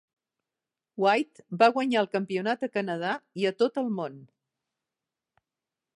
White va guanyar el campionat a Canadà i a tot el món.